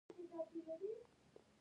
د نسترن ګل د کوم ویټامین لپاره وکاروم؟